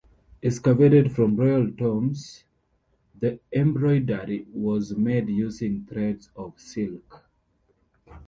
Excavated from royal tombs, the embroidery was made using threads of silk.